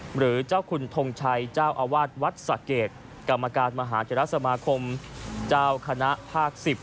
หรือเจ้าคุณทงชัยเจ้าอาวาสวัดสะเกดกรรมการมหาเทรสมาคมเจ้าคณะภาค๑๐